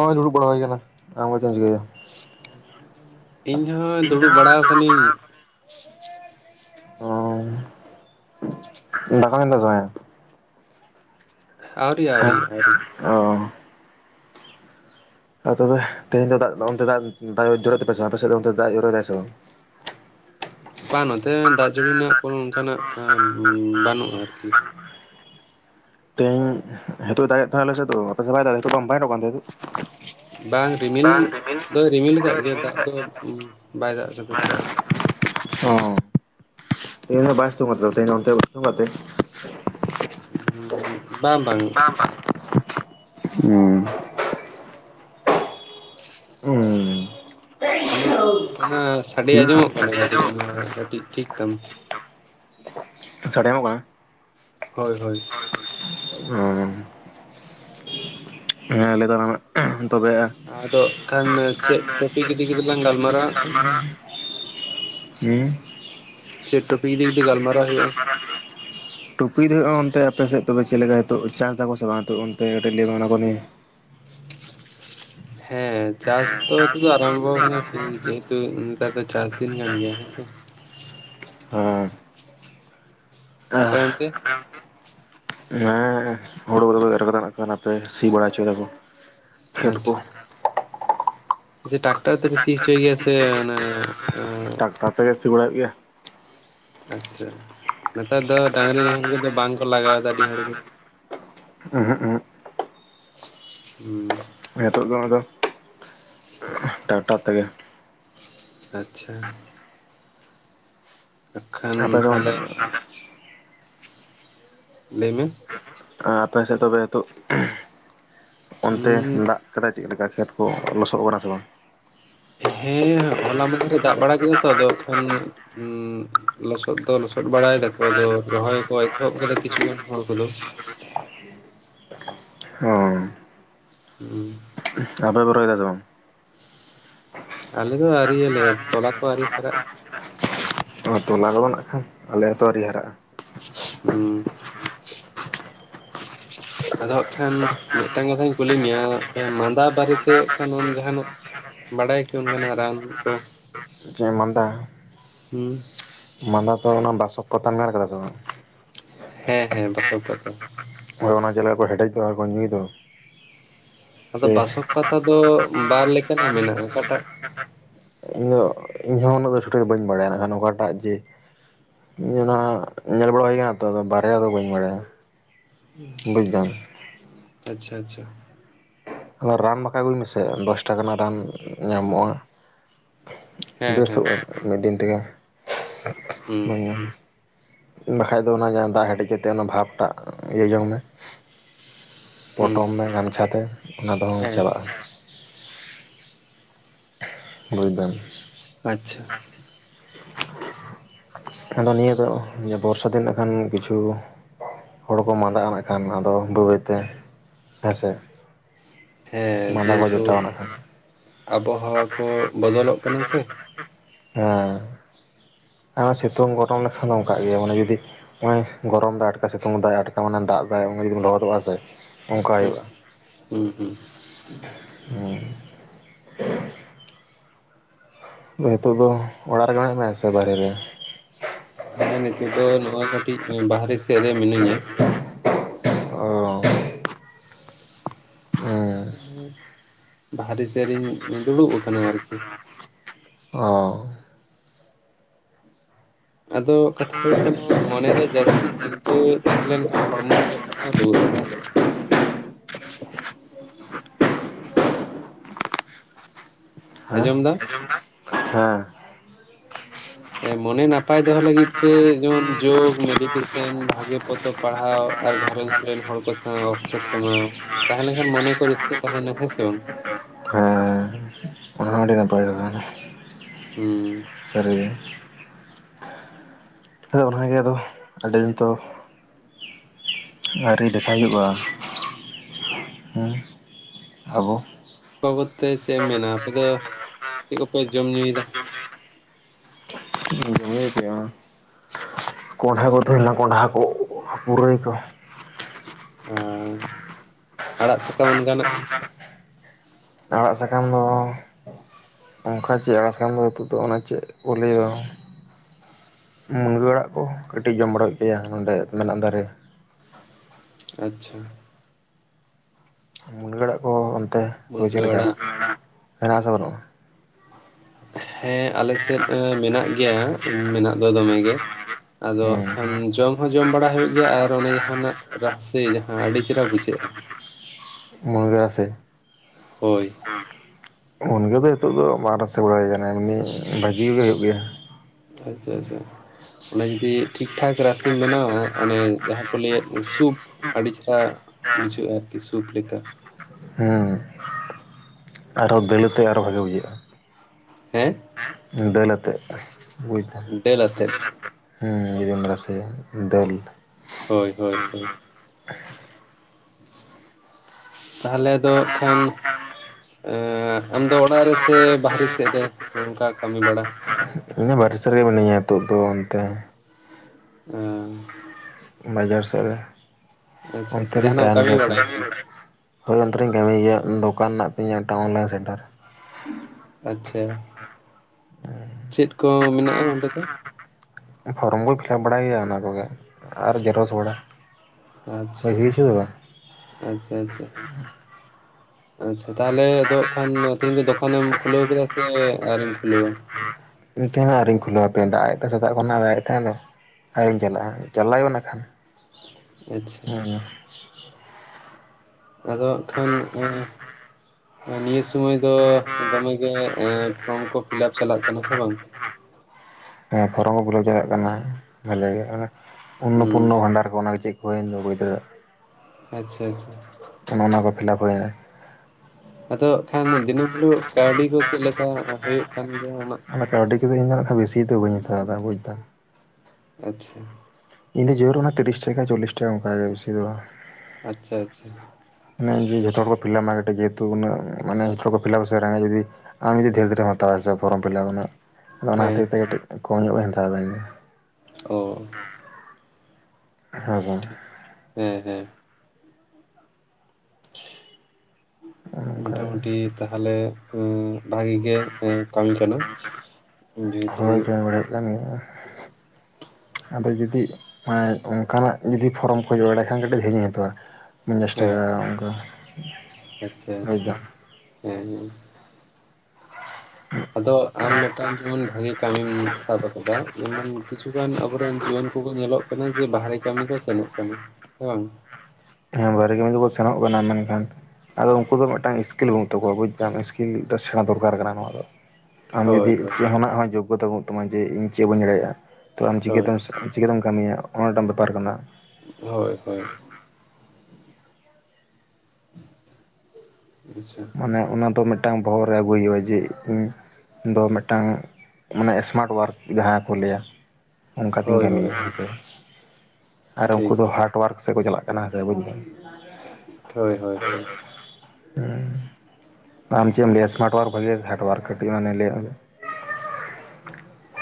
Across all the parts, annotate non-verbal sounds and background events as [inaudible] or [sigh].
ᱚᱭ ᱫᱩᱲᱩᱵ ᱵᱟᱲᱟ ᱦᱩᱭ ᱠᱟᱱᱟ᱾ ᱟᱢᱜᱮ ᱪᱮᱫ ᱮᱢ ᱪᱤᱠᱟᱭ ᱫᱟ? ᱤᱧ ᱦᱚᱸ ᱫᱩᱲᱩᱵ ᱵᱟᱲᱟ ᱟᱠᱟᱱᱟᱹᱧ ᱚ ᱫᱟᱠᱟ [unintelligible] ᱟᱶᱨᱤ ᱟᱶᱨᱤ ᱟᱶᱨᱤ, ᱚ ᱟ ᱛᱚᱵᱮ ᱛᱮᱦᱮᱧ ᱫᱚ ᱫᱟᱜ ᱚᱱᱛᱮ ᱫᱟᱜ ᱫᱟᱜ ᱡᱚᱨᱚᱭ ᱮᱫ ᱛᱟᱯᱮ ᱟᱥᱮ ᱵᱟᱝ ᱟᱯᱮ ᱥᱮᱫ ᱚᱱᱛᱮ ᱫᱟᱜ ᱡᱚᱨᱚᱭ ᱫᱟ ᱥᱮ ᱵᱟᱝ? ᱵᱟᱝ ᱱᱚᱛᱮ ᱫᱟᱜ ᱡᱟᱹᱲᱤ ᱱᱟᱜ ᱠᱳᱱᱳ ᱚᱱᱠᱟᱱᱟᱜ ᱵᱟᱹᱱᱩᱜᱼᱟ ᱟᱨᱠᱤ, ᱛᱮᱦᱮᱧ ᱦᱮᱛᱳᱜ ᱫᱟᱜᱮᱫ ᱛᱟᱦᱮᱫ ᱟᱞᱮᱥᱮᱫ ᱫᱚ, ᱟᱞᱮ ᱥᱮᱫ ᱵᱟᱭ ᱫᱟᱜ ᱫᱟ ᱱᱤᱛᱳᱜ ᱫᱚ [unintelligible] ᱵᱟᱝ ᱨᱤᱢᱤᱞ ᱫᱚᱭ ᱨᱤᱢᱤᱞ ᱠᱟᱜ ᱜᱮᱭᱟ ᱫᱟᱜ ᱫᱚ ᱵᱟᱭ ᱫᱟᱜ ᱠᱟᱫᱟ ᱛᱮᱦᱮᱧ ᱚ ᱛᱮᱦᱮᱧ ᱫᱚ ᱵᱟᱭ ᱥᱤᱛᱳᱝ ᱱᱚᱛᱮ, ᱚᱱᱛᱮ ᱥᱤᱛᱳᱝ ᱠᱟᱜ ᱛᱮ? ᱵᱟᱝ ᱵᱟᱝ [unintelligible] [unintelligible] ᱟᱢᱟᱜ ᱚᱱᱟ ᱥᱟᱰᱮ ᱦᱩᱸ ᱟᱸᱡᱚᱢᱚᱜ ᱠᱟᱱᱟ ᱥᱟᱹᱰᱮ ᱠᱟᱹᱴᱤᱡ ᱟᱸᱡᱚᱢᱚᱜ ᱚᱱᱟ ᱠᱟᱱᱟ᱾ ᱠᱟᱹᱴᱤᱡ ᱴᱷᱤᱠ ᱛᱟᱢ ᱥᱟᱰᱮ ᱦᱚᱸ ᱵᱟᱝ ᱦᱳᱭ ᱦᱳᱭ᱾ ᱚᱸᱻ ᱦᱮᱸ ᱞᱟᱹᱭ ᱛᱟᱞᱟᱝᱟ ᱢᱮ? ᱛᱚᱵᱮ ᱟᱫᱚ ᱠᱷᱟᱱ ᱪᱮᱫ ᱴᱚᱯᱤᱠ ᱤᱫᱤ ᱠᱟᱛᱮ ᱞᱟᱝ ᱜᱟᱞᱢᱟᱨᱟᱣ ᱦᱟᱸᱜ ᱠᱷᱟᱱ ᱜᱟᱞᱢᱟᱨᱟᱣ ᱦᱮᱸ ᱪᱮᱫ ᱴᱚᱯᱤᱠ ᱤᱫᱤ ᱠᱟᱛᱮ ᱜᱟᱞᱢᱟᱨᱟᱣ ᱦᱩᱭᱩᱜᱼᱟ [unintelligible] ᱴᱩᱯᱤᱫ ᱦᱩᱭᱩᱜᱼᱟ ᱚᱱᱛᱮ ᱟᱯᱮ ᱥᱮᱫ ᱛᱚᱵᱮ ᱪᱮᱫ ᱞᱮᱠᱟ ᱱᱤᱛᱚᱜ ᱪᱟᱥ ᱫᱟ ᱠᱚ ᱥᱮ ᱵᱟᱝ ᱱ ᱚᱱᱛᱮ ᱠᱟᱹᱴᱤᱡ‌ᱞᱟᱹᱭ ᱢᱮ ᱚᱱᱟ [unintelligible] ᱦᱮᱸ ᱪᱟᱥ ᱫᱚ ᱛᱟ ᱟᱨᱟᱢᱵᱷᱚ ᱠᱟᱱᱟ ᱥᱮ ᱡᱮᱦᱮᱛᱩ ᱱᱮᱛᱟᱨ ᱫᱚ ᱪᱟᱥ ᱫᱤᱱ ᱠᱟᱱ ᱜᱮᱭᱟ ᱦᱮᱸ ᱥᱮ ᱾ ᱦᱮᱸ ᱟᱯᱮ ᱚᱱᱛᱮ [unintelligible] ᱦᱳᱲᱳ ᱠᱚᱫᱚ ᱮᱨ ᱠᱟᱫᱟ ᱯᱮ ᱥᱤ ᱵᱟᱲᱟ ᱦᱚᱪᱚᱭᱮᱫᱟᱵᱚ ᱾ ᱟᱪᱪᱷᱟ ᱾ ᱴᱨᱟᱠᱴᱟᱨ ᱛᱮᱯᱮ ᱥᱤ ᱦᱤᱪᱚᱭ ᱜᱮᱭᱟ ᱥᱮ ᱚᱱᱟ? ᱟᱯᱮ ᱥᱤ ᱵᱟᱲᱟᱜ ᱜᱮᱭᱟ? ᱟᱪᱪᱷᱟ, ᱱᱮᱛᱟᱨ ᱫᱚ ᱰᱟᱝᱨᱤ ᱱᱟᱦᱮᱞ ᱠᱚᱫᱚ ᱵᱟᱝ ᱠᱚ ᱞᱟᱜᱟᱣᱮᱫᱫᱟ ᱟᱹᱰᱤ ᱦᱚᱲᱜᱮ, ᱩᱸᱦᱩᱜ ᱩᱸᱦᱩᱜ ᱾ ᱦᱩᱸ ᱱᱤᱛᱚᱜ ᱫᱚ ᱟᱫᱚ ᱴᱟᱨᱟᱠᱴᱟᱨ ᱛᱮᱜᱮ ᱾ ᱟᱪᱪᱷᱟ ᱾ ᱠᱷᱟᱱ ᱟᱯᱮ ᱫᱚ ᱛᱟᱦᱚᱞᱮ ᱞᱟᱹᱭᱢᱮ ᱾ ᱟᱯᱮ ᱥᱮᱫ ᱛᱚᱵᱮ ᱱᱤᱛᱚᱜ ᱦᱩᱸ ᱚᱱᱛᱮ ᱫᱟᱜ ᱫᱟᱜ ᱠᱮᱫᱟᱭ ᱪᱮᱫ ᱞᱮᱠᱟ ᱠᱷᱮᱛ ᱠᱚ ᱞᱚᱥᱚᱜ ᱠᱟᱱᱟ ᱥᱮ ᱵᱟᱝ? ᱦᱮᱸ ᱦᱚᱞᱟ ᱢᱟᱫᱷᱮ ᱨᱮ ᱫᱟᱜ ᱵᱟᱲᱟ ᱠᱮᱫᱟ ᱛᱚ ᱟᱫᱚᱠᱷᱟᱱ ᱞᱚᱥᱚᱫ ᱫᱚ ᱞᱚᱥᱚᱫ ᱵᱟᱲᱟᱭ ᱫᱟᱠᱚ ᱟᱫᱚ ᱨᱚᱦᱚᱭ ᱠᱚ ᱮᱛᱚᱦᱚᱵ ᱠᱟᱫᱟ ᱠᱤᱪᱷᱩ ᱜᱟᱱ ᱦᱚᱲ ᱠᱚᱫᱚ ᱾ [unintelligible] ᱦᱚᱸ ᱾ ᱦᱩᱸ ᱻ ᱾ ᱟᱯᱮ ᱯᱮ ᱨᱚᱦᱚᱭᱫᱟ ᱥᱮ ᱵᱟᱝ? ᱟᱞᱮ ᱫᱚ ᱟᱹᱣᱨᱤ ᱟᱞᱮᱭᱟ ᱛᱚᱞᱟ ᱠᱚ ᱟᱹᱣᱨᱤ ᱦᱟᱨᱟᱜ, ᱛᱚᱞᱟ ᱠᱚᱫᱚ ᱱᱟᱜ ᱠᱷᱟᱱ ᱟᱞᱮ ᱦᱚᱸᱛᱚ ᱟᱨᱣᱨᱤ ᱦᱟᱨᱟᱜᱼᱟ᱾ ᱦᱩᱸ ᱾ ᱟᱫᱚ ᱦᱟᱸ ᱠᱷᱟᱱ ᱢᱤᱫᱴᱟᱝ ᱠᱟᱛᱷᱟᱧ ᱠᱩᱞᱤ ᱢᱮᱭᱟ ᱟ ᱢᱟᱸᱫᱟᱨ ᱫᱟᱨᱮᱛᱮ ᱟᱢ ᱠᱷᱟᱱ ᱡᱟᱦᱱᱟᱜ ᱵᱟᱰᱟᱭ ᱠᱚ ᱚᱱᱠᱟᱱᱟᱜ ᱨᱟᱱ ᱠᱚ? ᱡᱮ ᱢᱟᱫᱟ ᱦᱩᱸ ᱢᱟᱫᱟ ᱫᱚ ᱚᱱᱟ ᱵᱟᱥᱚᱠᱚᱛᱟ ᱧᱮᱞ‌‌ ᱟᱠᱟᱫᱟ ᱥᱮ ᱵᱟᱝ? ᱦᱮᱸ ᱦᱮᱸ ᱵᱟᱥᱚ [unintelligible] ᱦᱳᱭ ᱚᱱᱟ ᱡᱮᱞᱟ ᱨᱮ ᱠᱚ ᱦᱮᱰᱮᱡ ᱫᱚ ᱟᱨ ᱠᱚ ᱧᱩᱭ ᱫᱚ᱾ ᱟᱫᱚ ᱵᱟᱥᱚᱠ ᱯᱟᱛᱟ ᱫᱚ [unintelligible] ᱞᱮᱠᱟᱱᱟᱜ ᱵᱟᱨ ᱞᱮᱠᱟ ᱢᱮᱱᱟᱜᱼᱟ ᱛᱮ ᱚᱠᱟᱴᱟᱜ ᱢᱮᱱᱟᱜ ᱢᱮᱱᱟᱜ ᱠᱟᱫᱟ᱾ ᱤᱧᱫᱚ ᱤᱧᱦᱚᱸ ᱩᱱᱟᱹᱜ ᱫᱚ ᱪᱷᱩᱴᱟᱹᱠ ᱵᱟᱹᱧ ᱵᱟᱲᱟᱭᱟ ᱮᱠᱷᱟᱱ [inaudible] ᱚᱠᱟᱴᱟᱜ ᱡᱮ ᱤᱧ ᱚᱱᱟ ᱧᱮᱞ ᱵᱲᱟ ᱦᱩᱭ ᱠᱟᱱᱟᱚ ᱛᱚ, ᱟᱫ ᱵᱟᱨᱭᱟ ᱫᱚ ᱵᱟᱹᱧ ᱵᱟᱲᱟᱭᱟ᱾ ᱦᱩᱸ᱾ ᱵᱩᱡᱫᱟᱢ ᱟᱪᱪᱷᱟ, ᱟᱪᱪᱷᱟ᱾ ᱦᱟᱱᱟ ᱨᱟᱱ ᱵᱟᱠᱷᱟᱡ ᱟᱹᱜᱩᱭ ᱢᱮᱥᱮ ᱫᱚᱥ ᱴᱟᱠᱟ ᱨᱮᱱᱟᱜ ᱨᱟᱱ ᱧᱟᱢᱚᱜᱼᱟ᱾ ᱦᱮᱸ ᱦᱮᱸ ᱵᱮᱥᱚᱜᱼᱟ ᱢᱤᱫ ᱫᱤᱱ ᱛᱮᱜᱮ ᱦᱩᱸ [unintelligible] ᱵᱟᱠᱷᱟᱡ ᱫᱚ ᱚᱱᱟ ᱡᱟᱦᱟ ᱫᱟᱜ ᱦᱮᱸᱰᱮᱡ ᱠᱟᱛᱮ, ᱚᱱᱟ ᱵᱷᱟᱯ ᱴᱟᱜ ᱤᱭᱟᱹ ᱡᱚᱝ ᱢᱮ᱾ ᱦᱩᱸ ᱯᱚᱴᱚᱢ ᱢᱮ ᱜᱟᱢᱪᱷᱟ ᱛᱮ ᱚᱱᱟ ᱫᱚᱝ ᱦᱮᱸ ᱪᱟᱞᱟᱜᱼᱟ᱾ ᱵᱩᱡᱫᱟᱢ ᱾ ᱟᱪᱪᱷᱟ᱾ ᱟᱫᱚ ᱱᱤᱭᱟᱹ ᱫᱚ ᱱᱤᱭᱟᱹ ᱵᱚᱨᱥᱟ ᱫᱤᱱ ᱟᱠᱟᱱ ᱠᱤᱪᱷᱩ ᱦᱚᱲᱠᱚ ᱢᱟᱸᱰᱟ ᱟᱢᱮᱜ ᱠᱷᱟᱱ ᱟᱫᱚ ᱵᱟᱹᱭ ᱵᱟᱹᱭ ᱛᱮ ᱦᱮᱸ ᱥᱮ ᱢᱟᱱᱮ ᱵᱚ ᱡᱚᱴᱟᱣ ᱤᱱᱟ ᱠᱷᱟᱱ ᱾ ᱟᱵᱚ ᱦᱚᱲᱠᱚ ᱵᱚᱫᱚᱞᱚᱜ ᱠᱟᱱᱟ ᱥᱮ ᱦᱮᱸ ᱦᱟᱸ ᱥᱤᱛᱩᱝ ᱜᱚᱴᱚᱱ ᱞᱮᱠᱷᱟᱱ ᱱᱚᱸᱠᱟᱜ ᱜᱮᱭᱟ ᱢᱟᱱᱮ ᱡᱩᱫᱤ ᱱᱚᱜ-ᱚᱭ ᱜᱚᱨᱚᱢ ᱫᱟᱜ ᱟᱴᱠᱟᱣ ᱥᱤᱛᱩᱝ ᱫᱟᱜ ᱟᱴᱠᱟᱣ ᱫᱟᱜ ᱮᱫᱟᱭ ᱩᱱᱨᱤᱵᱤᱱ ᱞᱚᱦᱚᱫᱚᱜᱼᱟ ᱥᱮ ᱚᱱᱠᱟ ᱦᱩᱸ ᱦᱩᱭᱩᱜᱼᱟ ᱦᱩᱸ ᱦᱩᱸ [unintelligible] [unintelligible] ᱟᱫᱚ ᱱᱤᱛᱚᱜ ᱫᱚ ᱚᱲᱟᱜ ᱨᱮᱜᱮ ᱢᱮᱱᱟᱜ ᱢᱮᱭᱟ ᱥᱮ ᱵᱟᱦᱨᱮ ᱨᱮ ᱾ ᱦᱮᱸ ᱱᱤᱛᱚᱜ ᱫᱚ ᱱᱚᱜᱚᱭ ᱠᱟᱹᱴᱤᱡ ᱵᱟᱦᱨᱮ ᱥᱮᱫ ᱨᱮ ᱢᱤᱱᱟᱹᱧᱟ ᱾ ᱚ [unintelligible] ᱦᱩᱸ ᱢᱟᱱᱮ [unintelligible] ᱵᱟᱦᱨᱮ ᱥᱮᱫ ᱨᱧ ᱫᱩᱲᱩᱵ ᱟᱠᱟᱱᱟ ᱟᱨᱠᱤ ᱾ ᱚ ᱟᱫᱚ ᱠᱟᱛᱷᱟ ᱦᱩᱭᱩᱜ ᱠᱟᱱᱟ ᱢᱚᱱᱮᱨᱮ ᱡᱟᱹᱥᱛᱤ ᱪᱤᱱᱛᱟᱹ ᱛᱟᱦᱮᱸ ᱞᱮᱱᱠᱷᱟᱱ ᱦᱚᱲᱢᱚ ᱨᱮ ᱟᱨ ᱨᱩ ᱦᱮᱸ [unintelligible] ᱦᱮᱸ ᱟᱸᱡᱚᱢ ᱮᱫᱟᱢ [unintelligible] ᱦᱮᱸ ᱢᱚᱱᱮ ᱱᱟᱯᱟᱭ ᱫᱚᱦᱚ ᱞᱟᱹᱜᱤᱫ ᱛᱮ ᱡᱚᱱ ᱡᱚᱜ ᱢᱮᱰᱤᱴᱮᱥᱚᱱ ᱵᱷᱟᱜᱮ ᱯᱚᱛᱚᱵ ᱯᱟᱲᱦᱟᱣ ᱟᱨ ᱜᱷᱟᱨᱚᱧᱡᱽ ᱨᱮᱱ ᱦᱚᱲ ᱠᱚ ᱥᱟᱶ ᱚᱠᱛᱚ ᱠᱷᱮᱢᱟᱣ ᱛᱟᱦᱮᱸ ᱞᱮᱱ ᱠᱷᱟᱱ ᱢᱚᱱᱮ ᱠᱚ ᱨᱟᱹᱥᱠᱟᱹ ᱛᱟᱦᱮᱱᱟ ᱦᱮᱸᱥᱮ ᱵᱟᱝ ᱾ ᱚᱱᱟᱦᱚᱸ ᱟᱹᱰᱤ ᱱᱟᱯᱟᱭ [unintelligible] ᱦᱩᱸ ᱥᱟᱹᱨᱤ ᱜᱮ ᱾ ᱦᱚᱭ ᱚᱱᱟᱜᱮ ᱟᱫᱚ [unintelligible] ᱟᱣᱟᱨᱤ ᱫᱮᱠᱷᱟ ᱦᱩᱭᱩᱜ-ᱟ ᱾ ᱦᱩᱸ ᱟᱵᱚ ᱵᱟᱵᱚᱛ ᱛᱮ ᱪᱮᱫ ᱮᱢ ᱢᱮᱱᱟ ᱟᱯᱮ ᱫᱚ ᱪᱮᱫ ᱠᱚᱯᱮ ᱡᱚᱢ ᱧᱩᱭᱮᱫᱟ ᱾ ᱡᱚᱢᱮ ᱯᱮᱭᱟ [unintelligible] ᱠᱚᱸᱰᱷᱟ ᱠᱚ ᱛᱮᱦᱮᱧ ᱠᱚᱸᱰᱷᱟ ᱠᱚ ᱯᱩᱨᱟᱹᱭ ᱠᱚ ᱾ ᱟᱸ ᱟᱲᱟᱜ ᱥᱟᱠᱟᱢ ᱚᱱᱠᱟᱱᱟᱜ [unintelligible] ᱟᱲᱟᱜ ᱥᱟᱠᱟᱢ ᱫᱚ ᱚᱱᱠᱟ ᱪᱮ ᱟᱥᱟᱝᱜᱚ ᱩᱛᱩ ᱫᱚ ᱚᱱᱟ ᱪᱮᱫ ᱠᱚ ᱞᱟᱹᱭ-ᱟ ᱾ ᱢᱩᱱᱜᱟᱹ ᱟᱲᱟᱜ ᱠᱚ ᱠᱟᱹᱴᱤᱡ ᱡᱚᱢ ᱵᱟᱲᱟ ᱦᱩᱭᱮᱫ ᱠᱮᱭᱟᱜ ᱦᱩᱱᱟᱝ ᱱᱚᱸᱰᱮ ᱢᱮᱱᱟᱜ ᱫᱟᱨᱮ ᱾ ᱟᱪᱪᱷᱟ ᱾ ᱚ ᱚᱱᱛᱮ ᱫᱚ ᱪᱮᱫ ᱢᱩᱱᱜᱟᱹ ᱞᱮᱠᱟ ᱟᱲᱟᱜ ᱦᱮᱱᱟᱜ ᱟᱥᱮ ᱵᱟᱹᱱᱩᱜ-ᱟ ᱾ ᱦᱮᱸ ᱟᱞᱮ ᱥᱮᱫ ᱢᱮᱱᱟᱜ ᱜᱮᱭᱟ ᱢᱮᱱᱟᱜ ᱫᱚ ᱫᱚᱢᱮ ᱜᱮ ᱾ ᱟᱫᱚ ᱦᱮᱸ ᱠᱷᱟᱱ ᱡᱚᱢ ᱦᱚᱸ ᱡᱚᱢ ᱵᱟᱲᱟ ᱦᱩᱭᱩᱜ ᱜᱮᱭᱟ ᱟᱨ ᱚᱱᱮ ᱡᱟᱦᱟᱱᱟᱜ ᱨᱟᱥᱮ ᱡᱟᱦᱟᱸ ᱟᱹᱰᱤ ᱪᱮᱨᱦᱟ ᱵᱩᱡᱷᱟᱹᱜ-ᱟ ᱾ ᱢᱩᱱᱜᱟᱹ ᱨᱟᱥᱮ ᱾ ᱦᱚᱭ ᱾ [unintelligible] ᱢᱩᱱᱜᱟᱹ ᱫᱚ ᱱᱤᱛᱚᱜ ᱫᱚ ᱵᱟᱝ ᱨᱟᱥᱮ ᱵᱟᱲᱟᱜ ᱠᱟᱱᱟ ᱮᱢᱱᱤ ᱵᱷᱟᱜᱤ ᱜᱮ ᱦᱩᱭᱩᱜ ᱜᱮᱭᱟ ᱾ ᱟᱪᱪᱷᱟ ᱟᱪᱪᱷᱟ ᱾ ᱚᱱᱮ ᱡᱩᱫᱤ ᱴᱷᱤᱠ ᱴᱷᱟᱠ ᱨᱟᱥᱮᱢ ᱵᱮᱱᱟᱣᱟ ᱚᱱᱮ ᱡᱟᱦᱟᱸ ᱠᱚ ᱞᱟᱹᱭᱮᱫ ᱥᱩᱯ ᱾ ᱟᱹᱰᱤ ᱪᱮᱨᱦᱟ ᱵᱩᱡᱷᱟᱹᱜ-ᱟ ᱟᱨᱠᱤ ᱥᱩᱯ ᱞᱮᱠᱟ ᱾ ᱦᱮᱸ ᱟᱨᱦᱚᱸ ᱫᱟᱹᱞᱟᱹᱛᱮ ᱟᱨᱦᱚᱸ ᱵᱷᱟᱜᱮ ᱦᱩᱭᱩᱜ-ᱟ ᱾ ᱦᱮᱸ [unintelligible] ᱫᱟᱹᱞ ᱟᱛᱮ ᱵᱩᱡᱽ ᱫ ᱾ ᱰᱟᱹᱞ ᱟᱛᱮ ᱦᱩᱸ ᱡᱩᱫᱤᱢ ᱨᱟᱥᱮ ᱟ ᱫᱟᱹᱞ ᱦᱳᱭ ᱦᱳᱭ ᱦᱳᱭ ᱛᱟᱦᱚᱞᱮ ᱫᱚ ᱠᱷᱟᱱ ᱟᱸ ᱟᱢᱫᱚ ᱚᱲᱟᱜ ᱨᱮᱥᱮ ᱵᱟᱦᱨᱮ ᱥᱮᱫ ᱨᱮ ᱱᱚᱝᱠᱟ ᱠᱟᱹᱢᱤ ᱵᱟᱲᱟ ᱤᱧᱟᱹᱜ ᱵᱟᱨ ᱥᱮ ᱨᱮᱜᱮ ᱢᱤᱱᱟᱹᱧᱟ ᱱᱤᱛᱚᱜ ᱫᱚ ᱚᱱᱛᱮ ᱟᱻ ᱵᱟᱡᱟᱨ ᱥᱮᱫ ᱨᱮ ᱟᱪᱪᱷᱟ ᱚᱱᱛᱮ ᱟᱪᱪᱷᱟ ᱨᱮᱧ ᱡᱟᱦᱟᱱᱟᱜ ᱮᱢ ᱛᱟᱦᱮᱱ ᱠᱟᱹᱢᱤ ᱜᱮᱭᱟ ᱛᱚ ᱵᱟᱲᱟᱭ ᱦᱳᱭ ᱚᱱᱛᱮ ᱨᱮᱧ ᱠᱟᱹᱢᱤᱭ ᱜᱮᱭᱟ ᱫᱚᱠᱟᱱ ᱢᱮᱱᱟᱜ ᱛᱤᱧᱟ ᱴᱟᱝᱞᱟ ᱥᱮᱱᱴᱟᱨ ᱟᱪᱪᱷᱟ ᱪᱮᱫ ᱠᱚ ᱢᱮᱱᱟᱜ-ᱟ ᱚᱸᱰᱮ ᱫᱚ ᱯᱷᱚᱨᱚᱢ ᱠᱚ ᱯᱷᱤᱞᱟᱯ ᱵᱟᱲᱟᱭ ᱜᱮᱭᱟ ᱚᱱᱟ ᱠᱚᱜᱮ ᱟᱨ ᱡᱮᱨᱚᱥ ᱵᱟᱲᱟ ᱟᱪᱪᱷᱟ ᱵᱟᱹᱠᱤ ᱠᱤᱪᱷᱩ ᱫᱚ ᱵᱟᱝ ᱟᱪᱪᱷᱟ ᱟᱪᱪᱷᱟ ᱟᱪᱪᱷᱟ ᱛᱟᱦᱚᱞᱮ ᱟᱫᱚᱜ ᱠᱷᱟᱱ ᱛᱮᱦᱮᱧ ᱫᱚ ᱠᱟᱱᱮᱢ ᱠᱷᱩᱞᱟᱹᱣ ᱠᱮᱫᱟ ᱥᱮ ᱟᱣᱨᱤᱢ ᱠᱷᱩᱞᱟᱹᱣᱟ ᱱᱤᱛᱦᱸᱚ ᱟᱣᱨᱤᱧ ᱠᱷᱩᱞᱟᱹᱣ ᱛᱮᱦᱮᱧᱫᱚ ᱫᱟᱜ ᱮ ᱛᱟᱦᱮᱱᱟ ᱥᱮᱛᱟᱜ ᱠᱷᱚᱱᱟᱜ ᱫᱟᱜ ᱮ ᱛᱟᱦᱮᱸᱱᱟ ᱫᱚ ᱟᱣᱨᱤᱧ ᱪᱟᱞᱟᱜ-ᱟ ᱪᱟᱞᱟᱜ ᱤᱧ ᱚᱱᱟ ᱠᱷᱟᱱ ᱟᱪᱪᱷᱟ [unintelligible] ᱟᱫᱚ ᱦᱟᱸᱜ ᱠᱷᱟᱱ ᱱᱤᱭᱟᱹ ᱥᱩᱢᱚᱭ ᱫᱚ ᱫᱚᱢᱮ ᱜᱮ ᱯᱷᱨᱚᱢ ᱠᱚ ᱯᱷᱤᱞᱟᱯ ᱪᱟᱞᱟᱜ ᱠᱟᱱᱟ ᱦᱮᱸ ᱵᱟᱝ ᱦᱮᱸ ᱯᱷᱚᱨᱚᱢ ᱠᱚ ᱯᱷᱤᱞᱟᱹᱯ ᱪᱟᱞᱟᱜ ᱠᱟᱱᱟ ᱵᱷᱟᱞᱮ ᱜᱮ ᱦᱩᱸ ᱚᱱᱱᱚᱯᱩᱨᱱᱚ ᱵᱷᱟᱱᱰᱟᱨ ᱠᱚ ᱚᱱᱟ ᱪᱮᱫ ᱦᱳᱭᱮᱱ ᱫᱚ ᱵᱩᱡ ᱫᱟᱲᱮᱭᱟᱜ ᱟᱪᱪᱷᱟ ᱟᱪᱪᱷᱟ ᱟᱨ ᱚᱱᱟ ᱠᱚ ᱯᱷᱤᱞᱟᱯ ᱦᱩᱭᱱᱟ ᱟᱫᱚ ᱠᱷᱟᱱ ᱫᱤᱱᱟᱹᱢ ᱦᱤᱞᱳᱜ ᱠᱟᱹᱣᱰᱤ ᱠᱚ ᱪᱮᱫ ᱞᱮᱠᱟ ᱦᱩᱭᱩᱜ ᱠᱟᱱ ᱜᱮᱭᱟ ᱟᱢᱟᱜ ᱚᱱᱟ ᱠᱟᱹᱣᱰᱤ ᱠᱚ ᱤᱧ ᱫᱚ ᱠᱷᱟᱱ ᱵᱮᱥᱤ ᱫᱚ ᱵᱟᱹᱧ ᱦᱟᱛᱟᱣᱮᱫᱟ ᱵᱩᱡᱽ ᱫᱟ ᱟᱪᱪᱷᱟ ᱤᱧ ᱫᱚ ᱡᱳᱨ ᱚᱱᱟ ᱛᱤᱨᱤᱥ ᱴᱟᱠᱟ ᱪᱚᱞᱞᱤᱥ ᱴᱟᱠᱟ ᱚᱱᱠᱟᱜ ᱜᱮ ᱵᱮᱥᱤᱫᱚ ᱵᱟᱝ ᱟᱪᱪᱷᱟ ᱟᱪᱪᱷᱟ ᱢᱟᱱᱮ ᱡᱚᱛᱚ ᱦᱚᱲ ᱠᱚ ᱯᱷᱤᱞᱟᱯ ᱢᱟᱜ ᱡᱮᱦᱮᱛᱩ ᱩᱱᱚᱜ ᱡᱚᱛᱚ ᱠᱚ ᱯᱷᱤᱞᱟᱯ ᱨᱮᱜᱮᱡ ᱩᱨᱤᱡ ᱟᱢ ᱡᱩᱫᱤ ᱫᱷᱤᱨᱮ ᱫᱷᱤᱨᱮᱢ ᱦᱟᱛᱟᱣᱟ ᱥᱮ ᱯᱷᱚᱨᱚᱢ ᱯᱷᱤᱞᱟᱯ ᱨᱮᱱᱟ ᱟᱫᱚ ᱚᱱᱟ ᱦᱮᱸ ᱠᱷᱚᱛᱤᱨ ᱛᱮ ᱠᱟᱹᱴᱤᱡ ᱠᱚᱢ ᱧᱚᱜ ᱜᱮᱧ ᱦᱟᱛᱟᱣ ᱫᱟᱹᱧ ᱚ ᱦᱮᱸᱥᱮ ᱴᱷᱤᱠ ᱦᱮᱸ ᱦᱮᱸ ᱚᱱᱠᱟ ᱜᱮ ᱢᱚᱴᱟᱢᱩᱴᱤ ᱛᱟᱦᱚᱞᱮ ᱵᱷᱟᱜᱤ ᱜᱮ ᱠᱟᱹᱢᱤ ᱠᱟᱱᱟᱢ ᱡᱮᱦᱮᱛᱩ [unintelligible] ᱟᱫᱚ ᱡᱩᱫᱤ ᱚᱱᱠᱟᱱᱟᱜ ᱡᱩᱫᱤ ᱯᱷᱚᱨᱚᱢ ᱠᱚ ᱡᱚᱜᱟᱲᱟᱭ ᱠᱷᱟᱱ ᱠᱟᱹᱴᱤᱡ ᱰᱷᱮᱨᱤᱧ ᱦᱟᱛᱟᱣᱟ ᱦᱮᱸ ᱯᱚᱱᱪᱟᱥᱴᱟᱠᱟ ᱚᱱᱠᱟ ᱟᱪᱪᱷᱟ ᱵᱩᱡᱽ ᱟᱪᱪᱷᱟ ᱫᱟᱢ ᱦᱮᱸ ᱦᱮᱸ ᱟᱫᱚ ᱟᱢ ᱢᱤᱫᱴᱟᱝ ᱡᱮᱢᱚᱱ ᱵᱷᱟᱜᱤ ᱠᱟᱹᱢᱤᱢ ᱥᱟᱵ ᱠᱟᱫᱟ ᱡᱮᱢᱚᱱ ᱠᱤᱪᱷᱩᱩᱜᱟᱱ ᱟᱵᱚᱨᱮᱱ ᱡᱩᱣᱚᱱ ᱩᱱᱠᱩ ᱠᱚ ᱧᱮᱞᱚᱜ ᱠᱟᱱᱟ ᱡᱮ ᱵᱟᱦᱨᱮ ᱠᱟᱹᱢᱤ ᱠᱚ ᱥᱮᱱᱚᱜ ᱠᱟᱱᱟ ᱦᱮ ᱵᱟᱝ ᱦᱮᱸ ᱵᱟᱨᱦᱮ ᱠᱟᱹᱢᱤ ᱫᱚᱠᱚ ᱥᱮᱱᱚᱜ ᱠᱟᱱᱟ ᱢᱮᱱᱠᱷᱟᱱ ᱟᱫᱚ ᱩᱱᱠᱩ ᱫᱚ ᱢᱤᱫᱴᱟᱝ ᱤᱥᱠᱤᱞ ᱵᱟᱹᱱᱩᱜ ᱛᱟᱠᱚᱣᱟ ᱵᱩᱡᱫᱟᱢ ᱤᱥᱠᱤᱞ ᱢᱤᱫᱴᱟᱝ ᱥᱮᱬᱟ ᱫᱚᱨᱠᱟᱨ ᱠᱟᱱᱟ ᱱᱚᱣᱟ ᱫᱚ ᱟᱢ ᱡᱩᱚᱫᱤ ᱦᱳᱭ ᱦᱳᱭ ᱡᱟᱦᱟᱱᱟᱜ ᱦᱚᱸ ᱡᱳᱜᱜᱚᱛᱟ ᱵᱟᱹᱱᱩᱜ ᱛᱟᱢᱟ ᱡᱮ ᱤᱧ ᱪᱮᱫ ᱵᱟᱹᱧ ᱫᱟᱲᱮᱭᱟᱜ-ᱟ ᱛᱚ ᱟᱢ ᱦᱳᱭ ᱪᱤᱠᱟᱹᱛᱮᱢ ᱪᱤᱠᱟᱹᱛᱮᱢ ᱠᱟᱹᱢᱤᱭᱟ ᱚᱱᱟᱴᱟᱜ ᱵᱮᱯᱟᱨ ᱠᱟᱱᱟ ᱦᱳᱭ ᱦᱳᱭ ᱟᱪᱪᱷᱟ ᱢᱟᱱᱮ ᱚᱱᱟ ᱫᱚ ᱢᱤᱫᱴᱟᱝ ᱵᱚᱦᱚᱜ ᱨᱮ ᱟᱹᱜᱩᱭ ᱦᱩᱭᱩᱜᱼᱟ ᱡᱮ ᱤᱧ ᱫᱚ ᱢᱤᱫᱴᱟᱝ ᱼᱼ ᱢᱟᱱᱮ ᱤᱥᱢᱟᱨᱴᱳᱣᱟᱨᱠ ᱡᱟᱦᱟᱸ ᱠᱚ ᱞᱟᱹᱭᱟ ᱚᱱᱠᱟ ᱛᱤᱧ ᱦᱳᱭ ᱦᱳᱭ ᱠᱟᱹᱢᱤᱭᱟ ᱾ ᱟᱨ ᱩᱱᱠᱩ ᱴᱷᱤᱠ ᱫᱚ ᱦᱟᱨᱰᱳᱣᱟᱨᱠ ᱥᱮᱜ ᱠᱚ ᱪᱟᱞᱟᱜ ᱠᱟᱱᱟ ᱦᱮᱸ ᱥᱮ ᱵᱩᱡᱽ ᱫᱟᱢ ᱾ ᱦᱳᱭ ᱦᱳᱭ ᱦᱳᱭ ᱾ ᱟᱢ ᱪᱮᱜ ᱮᱢ ᱞᱟᱹᱭᱟ ᱤᱥᱢᱟᱨᱴᱳᱣᱟᱨ ᱵᱷᱟᱹᱜᱤᱭᱟ ᱜᱮ ᱦᱮᱴᱣᱟᱨᱠ ᱠᱟᱴᱤ ᱢᱟᱱᱮ ᱞᱟᱹᱭᱟᱜ [unintelligible]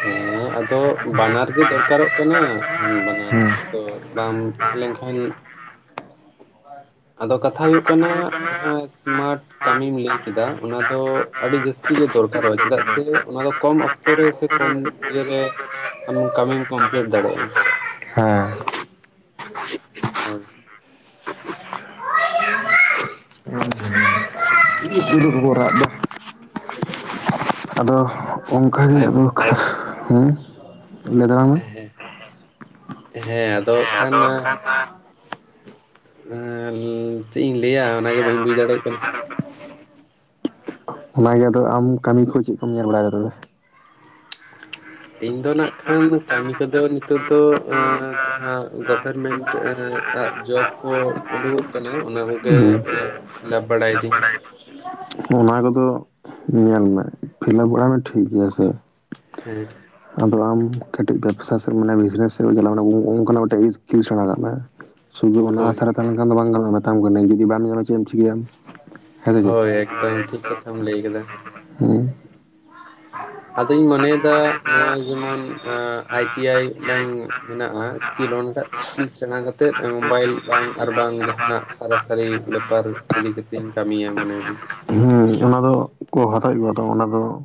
ᱦᱮᱸ ᱟᱫᱚ ᱵᱟᱱᱟᱨ ᱜᱮ ᱫᱚᱨᱠᱟᱨᱚᱜ ᱠᱟᱱᱟ ᱠᱷᱟᱱ ᱵᱟᱱᱟᱨ ᱼᱼ ᱛᱚ ᱵᱟᱢ ᱛᱟᱦᱮᱸ ᱞᱮᱱ ᱠᱷᱟᱱ ᱼᱼ ᱟᱫᱚ ᱠᱟᱛᱷᱟ ᱦᱩᱭᱩᱜ ᱠᱟᱱᱟ ᱡᱟᱦᱟᱸ ᱤᱥᱢᱟᱴ ᱼᱼ ᱠᱟᱹᱢᱤᱢ ᱞᱟᱹᱭ ᱠᱮᱫᱟ ᱚᱱᱟ ᱫᱚ ᱟᱹᱰᱤ ᱡᱟᱹᱥᱛᱤ ᱜᱮ ᱫᱚᱨᱠᱟᱨᱚᱜᱼᱟ ᱪᱮᱫᱟᱜ ᱥᱮ ᱚᱱᱟ ᱫᱚ ᱠᱚᱢ ᱼᱼ ᱚᱠᱛᱚ ᱨᱮ ᱥᱮ ᱠᱚᱢ ᱤᱭᱟᱹ ᱨᱮ ᱟᱢ ᱠᱟᱹᱢᱤᱢ ᱠᱚᱢᱯᱞᱤᱴ ᱫᱟᱲᱮᱭᱟᱜᱼᱟ ᱾ ᱦᱮᱸ ᱼᱼ ᱦᱳᱭ ᱼᱼ [inaudible] ᱨᱟᱜ ᱫᱟ ᱼᱼ ᱟᱫᱚ ᱚᱱᱠᱟ ᱜᱮ ᱟᱢ ᱟᱫᱚ [unintelligible] ᱞᱮ ᱫᱟᱲᱟᱱᱟ ᱼᱼ ᱦᱮ ᱦᱮᱸ ᱟᱫᱚᱜ ᱠᱷᱟᱱᱟ ᱼᱼ ᱪᱤᱜ ᱤᱧ ᱞᱟᱹᱭᱟ ᱚᱱᱟᱜᱮ ᱵᱟᱹᱧ ᱵᱩᱡᱽ ᱫᱟᱲᱮᱭᱟᱜ ᱠᱟᱱᱟ ᱾ ᱚᱱᱟᱜᱮ ᱟᱫᱚ ᱟᱢ ᱠᱟᱹᱢᱤ ᱠᱷᱚᱡ ᱪᱤᱜ ᱠᱚᱢ ᱧᱮᱞ ᱵᱟᱲᱟᱭᱮᱫᱟ ᱛᱚᱵᱮ? ᱤᱧ ᱫᱚ ᱱᱟᱜ ᱠᱷᱟᱱ ᱠᱟᱹᱢᱤ ᱠᱚᱫᱚ ᱼᱼ ᱱᱤᱛᱚᱜ ᱫᱚ ᱡᱟᱦᱟᱸ ᱜᱚᱵᱷᱚᱨᱢᱮᱱᱴᱟᱜᱼᱟ ᱡᱚᱵᱽ ᱠᱚ ᱩᱰᱩᱠ ᱼᱼ ᱠᱟᱱᱟ ᱚᱱᱟ ᱠᱚᱜᱮ ᱮ ᱞᱟᱵ ᱵᱟᱲᱟᱭᱤᱫᱤᱹᱧ ᱾ ᱚᱱᱟ ᱠᱚᱫᱚ ᱧᱮᱞ ᱢᱮ ᱯᱷᱤᱞᱟᱵ ᱵᱟᱲᱟ ᱦᱚᱸ ᱴᱷᱤᱠ ᱜᱮᱭᱟ ᱥᱮ ᱾ ᱦᱮᱸ ᱼᱼ ᱟᱫᱚ ᱟᱢ ᱠᱟᱹᱴᱤᱡ ᱵᱮᱵᱽᱥᱟ ᱥᱮᱜ ᱢᱟᱱᱮ ᱵᱤᱡᱽᱱᱮᱥ ᱥᱮᱜ ᱪᱟᱞᱟᱼᱜ ᱠᱟᱱᱟ ᱚᱱᱠᱟᱱᱟᱜ ᱢᱤᱫᱴᱮᱡ ᱥᱠᱤᱞ ᱥᱮᱬᱟ ᱠᱟᱜ ᱢᱮ ᱾ ᱥᱩᱫᱩ ᱚᱱᱟ ᱦᱳᱭ ᱟᱥᱟ ᱨᱮ ᱛᱟᱦᱮᱸ ᱞᱮᱱᱠᱷᱟᱱ ᱫᱚ ᱵᱟᱝ ᱜᱟᱱᱚᱜᱼᱟ ᱢᱮᱛᱟᱢ ᱠᱟᱱᱟᱹᱧ ᱡᱩᱫᱤ ᱵᱟᱢ ᱧᱟᱢᱟ ᱪᱤᱜ ᱮᱢ ᱪᱤᱠᱟᱹᱭᱟᱢ ᱾ ᱦᱳᱭ ᱮᱠᱫᱚᱢ ᱴᱷᱤᱠ ᱠᱟᱛᱷᱟᱢ ᱞᱟᱹᱭ ᱠᱟᱫᱟ ᱾ ᱦᱩᱸ ᱼᱼ ᱟᱫᱚᱧ ᱢᱚᱱᱮᱭᱫᱟ ᱱᱚᱣᱟ ᱡᱮᱢᱚᱱ ᱼᱼ ᱟᱭ ᱴᱤ ᱟᱭ ᱢᱤᱫᱴᱟᱝ ᱢᱮᱱᱟᱜᱼᱟ ᱤᱥᱠᱤᱞ ᱚᱱᱴᱟᱜ ᱾ ᱤᱥᱠᱤᱞ ᱥᱮᱬᱟ ᱠᱟᱛᱮᱫ ᱢᱳᱵᱟᱭᱤᱞ ᱵᱟᱝ ᱟᱨ ᱵᱟᱝ ᱡᱟᱦᱟᱱᱟᱜ ᱥᱟᱨᱟᱥᱟᱹᱨᱤ ᱵᱮᱯᱟᱨ ᱼᱼ ᱤᱫᱤ ᱠᱟᱛᱮᱧ ᱠᱟᱹᱢᱤᱭᱟ ᱢᱚᱱᱮᱭ ᱫᱟᱹᱧ ᱾ ᱦᱩᱸ ᱚᱱᱟ ᱫᱚ ᱠᱚ ᱦᱟᱛᱟᱣᱮᱫ ᱠᱚᱣᱟ ᱛᱚ ᱚᱱᱟ ᱫᱚ ᱼᱼ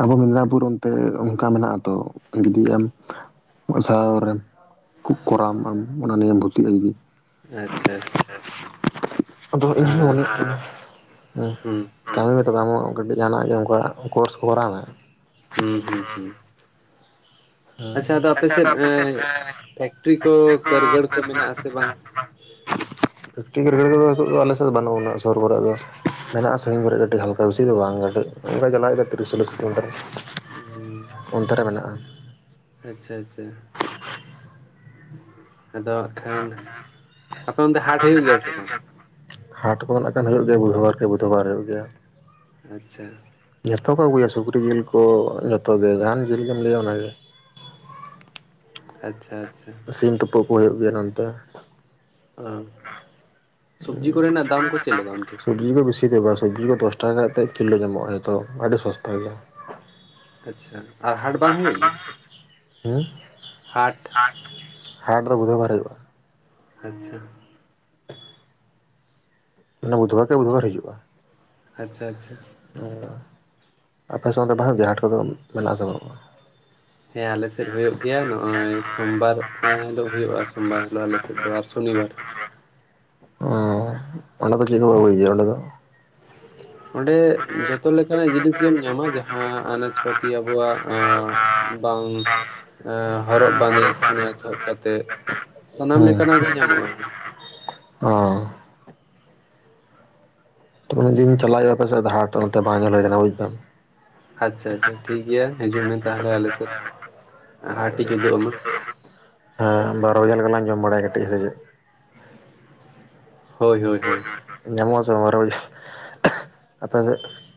ᱟᱵᱚ ᱢᱮᱫᱽᱱᱟᱯᱩᱨ ᱚᱱᱛᱮ ᱚᱱᱠᱟ ᱢᱮᱱᱟᱜ-ᱟ ᱛᱚ ᱜᱤᱫᱤ ᱮᱢ ᱥᱟᱶᱨᱮᱱ ᱼᱼ ᱠᱷᱩᱵ ᱠᱚᱨᱟᱣ ᱟᱢ ᱚᱱᱟ ᱱᱤᱭᱮᱢ ᱵᱷᱩᱨᱛᱤᱜ ᱞᱟᱹᱜᱤᱫ ᱾ ᱟᱪᱪᱷᱟ ᱟᱪᱪᱷᱟ ᱟᱫᱚ ᱤᱧᱦᱚᱸ ᱟᱨ ᱢᱚᱱᱮᱜ ᱠᱟᱱᱟ ᱾ ᱦᱩᱸ ᱦᱮᱸ ᱛᱚᱵᱮ ᱟᱴᱦᱚ ᱠᱟᱹᱴᱤᱡ ᱡᱟᱦᱟᱱᱟᱜ ᱜᱮ ᱠᱚᱨᱟᱣ ᱠᱳᱨᱥ ᱠᱚᱨᱟᱣ ᱢᱮ ᱾ ᱦᱩᱸ ᱦᱩᱸ ᱦᱩᱸ ᱾ ᱦᱮᱸ ᱟᱪᱷᱟ ᱟᱫᱚ ᱟᱯᱮ ᱥᱮᱫ ᱮᱸ ᱟ. ᱯᱷᱮᱠᱴᱨᱤ ᱠᱚ ᱪᱠᱟ. ᱫᱚ ᱠᱟᱹᱨᱜᱟᱹᱲ ᱫᱟ. ᱠᱚ ᱨ ᱢᱮᱱᱟᱜ -ᱫᱟ. ᱨ ᱫᱚ ᱢᱮᱱᱟ ᱟᱥᱮ ᱵᱟᱝ? [unintelligible] ᱠᱚᱫᱚ ᱱᱤᱛᱚᱜ ᱫᱚ ᱟᱞᱮ ᱥᱮᱫ ᱫᱚ ᱵᱟᱹᱱᱩᱜ ᱟᱱᱟ ᱥᱚᱨᱵᱚᱨᱟᱜ ᱫᱚ ᱾ ᱢᱮᱱᱟᱜᱼᱟ ᱥᱟᱺᱜᱤᱧ ᱠᱚᱨᱮ ᱟᱹᱰᱤ ᱦᱟᱞᱠᱟ ᱵᱮᱥᱤ ᱫᱚ ᱵᱟᱝ ᱠᱟᱹᱴᱤᱡ ᱚᱱᱠᱟ ᱪᱟᱞᱟᱜ ᱦᱩᱭᱩᱜ-ᱟ ᱛᱤᱨᱤᱥ ᱪᱟ. ᱞᱤᱥ ᱠᱤᱞᱳᱢᱤᱴᱟᱨ ᱾ ᱚᱱᱛᱮ ᱨᱮ ᱢᱮᱱᱟᱜᱼᱟ ᱾ ᱟᱪᱷᱟ - ᱟᱪᱷᱟ ᱾ ᱟᱫᱚ ᱦᱟᱸᱜ ᱠᱷᱟᱱ ᱟᱯᱮ ᱚᱱᱛᱮ [unintelligible] ᱟᱯᱮ ᱦᱟᱴ ᱥᱮ ᱦᱩᱭᱩᱜ ᱵᱟᱝ ᱜᱮᱭᱟ [unintelligible] ᱦᱟᱴ ᱠᱚ ᱱᱟᱜ ᱠᱷᱟᱱ ᱦᱩᱭᱩᱜ ᱜᱮᱭᱟ ᱵᱩᱫᱷᱣᱟᱨ ᱠᱮ ᱵᱩᱫᱷᱣᱟᱨ ᱦᱩᱭᱩᱜ ᱜᱮᱭᱟ ᱾ ᱟᱪᱷᱟ ᱾ ᱡᱚᱛᱚ ᱠᱚ ᱟᱹᱜᱩᱭᱟ ᱥᱩᱠᱨᱤ ᱡᱤᱞ ᱠᱚ ᱡᱚᱛᱚ ᱜᱮ, ᱡᱟᱦᱟᱱ ᱡᱤᱞ ᱜᱮᱢ ᱞᱟᱹᱭᱟ ᱚᱱᱟᱜᱮ ᱾ ᱟᱪᱷᱟ - ᱟᱪᱷᱟ ᱾ ᱥᱤᱢ ᱛᱩᱯᱩᱜ ᱠᱚ ᱦᱩᱭᱩᱜ ᱜᱮᱭᱟ ᱱᱚᱱᱛᱮ ᱾ ᱚ ᱫᱟ ᱥᱚᱵᱽᱡᱤ ᱥᱚᱵᱡᱤ ᱠᱚ ᱠᱚᱨᱮᱱᱟᱜ ᱪᱮᱫ ᱫᱟᱢ ᱞᱮᱠᱟ ᱚᱱᱛᱮ? ᱥᱚᱵᱡᱤ ᱠᱚ ᱵᱮᱥᱤ ᱼᱼ ᱪᱮᱫᱮᱵᱟᱝ ᱥᱚᱵᱽᱡᱤ ᱠᱚ ᱫᱚᱥ ᱴᱟᱠᱟ ᱠᱟᱛᱮᱜ ᱠᱤᱞᱳ ᱧᱟᱢᱚᱜᱼᱟ ᱮᱛᱚ ᱟᱹᱰᱤ ᱥᱚᱥᱛᱟ ᱜᱮᱭᱟ ᱟᱪᱷᱟ ᱟᱨ ᱦᱟᱴ ᱵᱟᱝ ᱦᱩᱭᱩᱜ ᱜᱤ ᱩᱸ ᱦᱟᱴ ᱦᱟᱴ, ᱦᱟᱴ ᱫᱚ ᱵᱩᱫᱷᱣᱟᱨ ᱨᱮ ᱦᱩᱭᱩᱜᱼᱟ ᱾ ᱟᱪᱷᱟ ᱾ ᱢᱟᱱᱮ ᱵᱩᱫᱷᱣᱟᱨ ᱠᱮ ᱵᱩᱫᱷᱣᱟᱨ ᱦᱤᱡᱩᱜᱼᱟ ᱾ ᱟᱪᱷᱟ ᱟᱪᱷᱟ ᱾ ᱚ ᱟᱯᱮ ᱥᱮᱫ ᱚᱱᱛᱮ ᱵᱟ. ᱱᱩᱜ ᱜᱤᱭᱟ. ᱦᱟᱴ ᱠᱚᱫᱚ ᱢᱮᱱᱟᱜ ᱟᱥᱮ ᱵᱟᱹᱱᱩᱜᱼᱟ ᱾ ᱦᱮᱸ ᱟᱞᱮᱥᱮᱫ ᱦᱩᱭᱩᱜ ᱜᱮᱭᱟ ᱱᱚᱜᱼᱚᱭ ᱦᱮᱸ ᱟᱞᱮᱥᱮᱫ ᱦᱩᱭᱩᱜ ᱜᱤᱭᱟ. ᱱᱚᱜᱼᱚᱭ ᱥᱳᱢᱵᱟᱨ ᱦᱤᱞᱳᱜ ᱦᱩᱭᱩᱜᱼᱟ ᱥᱳᱢᱵᱟᱨ ᱦᱤᱞᱳᱜ ᱟᱞᱮᱥᱮᱫ ᱫᱚ ᱟᱨ ᱥᱚᱱᱤᱵᱟᱨ ᱚ ᱚᱰᱮ ᱫᱚ ᱪᱮᱫ ᱠᱚ ᱠᱚ ᱟᱜᱩᱭ ᱜᱮᱭᱟ ᱚᱰᱮ ᱫᱚ ᱾ ᱚᱸᱰᱮ ᱡᱚᱛᱚ ᱞᱮᱠᱟᱱᱟᱜ ᱡᱤᱱᱤᱥ ᱜᱮᱢ ᱧᱟᱢᱟ ᱡᱟᱦᱟᱸ ᱟᱱᱟᱡᱽᱯᱟᱹᱛᱤ ᱟᱵᱚᱣᱟᱜ ᱟ ᱵᱟᱝ ᱟ ᱦᱚᱨᱚᱜ ᱵᱟᱸᱫᱮ ᱠᱷᱚᱱ ᱮᱛᱚᱦᱚᱵ ᱠᱟᱛᱮᱜ ᱥᱟᱱᱟᱢ ᱞᱮᱠᱟᱱᱟᱜ ᱜᱮ ᱧᱟᱢᱚᱜᱼᱟ ᱾ ᱦᱚᱸ᱾ ᱛᱚ ᱩᱱᱟᱜ ᱫᱤᱱ ᱪᱟᱞᱟᱜ ᱦᱩᱭᱩᱜᱼᱟ ᱯᱟᱥᱮ ᱫᱚ ᱦᱟᱴ ᱚᱱᱛᱮ ᱵᱟᱝ ᱧᱮᱞ ᱦᱩᱭ ᱟᱠᱟᱱᱟ ᱵᱩᱡ ᱮᱫᱟᱢ ᱾ ᱟᱪᱷᱟ - ᱟᱪᱷᱟ ᱴᱷᱤᱠ ᱜᱮᱭᱟ. ᱦᱤᱡᱩᱜ ᱢᱮ ᱛᱟᱦᱚᱞᱮ ᱟᱞᱮ ᱥᱮᱫ ᱾ ᱦᱮᱸ ᱵᱟᱨᱚ ᱵᱷᱟᱡᱟ ᱞᱮᱠᱟᱞᱟᱝ ᱡᱚᱢ ᱵᱟᱲᱟᱭᱟ ᱠᱟᱹᱴᱤᱡ ᱦᱮ ᱥᱮ ᱪᱮᱜ [unintelligible] ᱦᱳᱭ ᱦᱳᱭ ᱦᱳᱭ ᱧᱟᱢᱚᱜ ᱟ ᱥᱮ ᱵᱟᱝ ᱵᱟᱨᱚ ᱵᱷᱟᱡᱟ [inaudible] ᱟᱯᱮ ᱥᱮᱜ